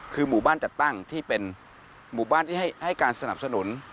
คือหมู่บ้านจัดตั้งที่เป็นหมู่บ้านที่ให้การสนับสนุน